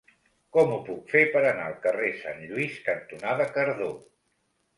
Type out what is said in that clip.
Com ho puc fer per anar al carrer Sant Lluís cantonada Cardó?